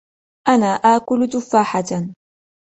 أنا آكل تفاحةً.